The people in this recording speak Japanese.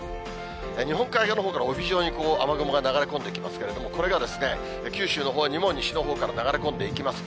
日本海側のほうから帯状に雨雲が流れ込んできますけれども、これが九州のほうにも西のほうから流れ込んでいきます。